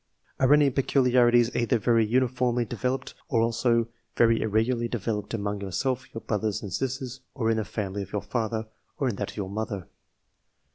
APPENDIX. 265 Are any peculiarities either very uniformly de veloped, or also very irregularly developed among yourself, your brothers and sisters, or in the family of your father, or in that of your mother